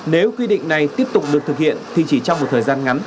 nếu quy định này tiếp tục được thực hiện thì chỉ trong một thời gian ngắn